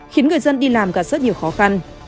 khiến người dân đi làm gặp rất nhiều khó khăn